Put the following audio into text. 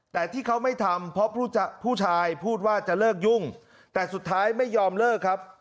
แต่ที่เขาไม่ทำเพราะผู้ชายพูดว่าจะเลิกยุ่งแต่สุดท้ายไม่ยอมเลิกครับ